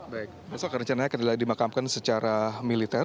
baik maksudnya rencana akan dimakamkan secara militer